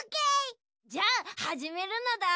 じゃあはじめるのだ。